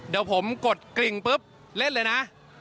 เดี๋ยวผมกดกลิ่งปุ๊บเล่นเลยนะ